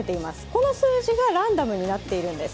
この数字がランダムになっているんです。